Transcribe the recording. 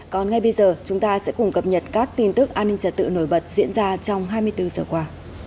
còn ngay bây giờ chúng ta sẽ cùng cập nhật các tin tức an ninh trật tự nổi bật diễn ra trong hai mươi bốn giờ qua